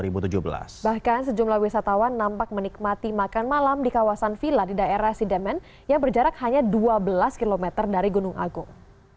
bahkan sejumlah wisatawan nampak menikmati makan malam di kawasan villa di daerah sidemen yang berjarak hanya dua belas km dari gunung agung